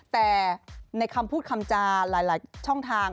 แต่ในคำพูดคำจาหลายช่องทาง